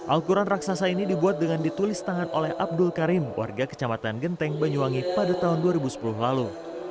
al quran raksasa ini dibuat dengan ditulis tangan oleh abdul karim warga kecamatan genteng banyuwangi pada tahun dua ribu sepuluh lalu